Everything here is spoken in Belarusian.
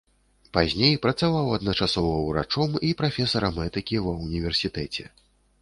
Пазней працаваў адначасова ўрачом і прафесарам этыкі ва ўніверсітэце.